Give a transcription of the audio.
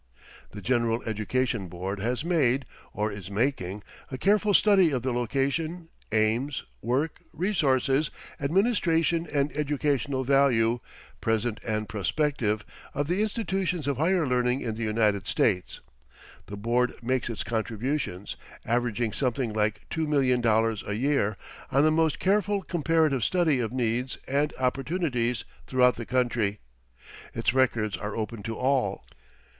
The General Education Board has made, or is making, a careful study of the location, aims, work, resources, administration, and educational value, present and prospective, of the institutions of higher learning in the United States. The board makes its contributions, averaging something like two million dollars a year, on the most careful comparative study of needs and opportunities throughout the country. Its records are open to all.